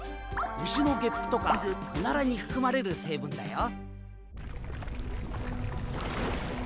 牛のゲップとかオナラに含まれる成分だよ。